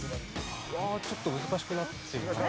わあちょっと難しくなってるな。